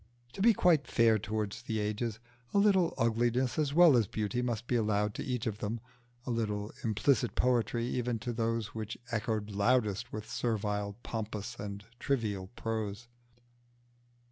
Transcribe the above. To be quite fair towards the ages, a little ugliness as well as beauty must be allowed to each of them, a little implicit poetry even to those which echoed loudest with servile, pompous, and trivial prose.